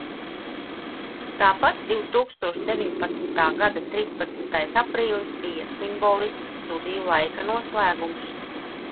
Tāpat divtūkstoš deviņpadsmitā gada trīspadsmitais aprīlis bija simbolisks studiju laika noslēgums.